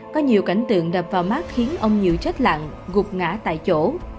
có nhiều cảnh tượng đập vào mắt khiến ông nhiều chết lặng gục ngã tại chỗ